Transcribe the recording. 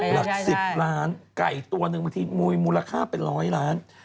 หลัก๑๐ล้านไก่ตัวหนึ่งบางทีมูลค่าเป็นร้อยล้าน